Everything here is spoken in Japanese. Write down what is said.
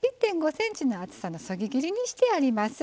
１．５ｃｍの厚さのそぎ切りにしてあります。